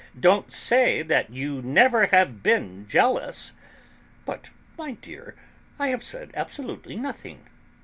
Don't say that you never have been jealous!" "But, my dear, I have said absolutely nothing.